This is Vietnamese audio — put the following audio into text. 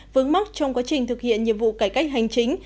vướng mắc trong quá trình thực hiện nhiệm vụ cải cách hành chính